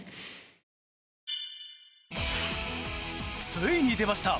ついに出ました！